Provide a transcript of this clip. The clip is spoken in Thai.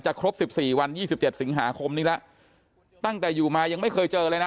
ครบสิบสี่วันยี่สิบเจ็ดสิงหาคมนี้แล้วตั้งแต่อยู่มายังไม่เคยเจอเลยนะ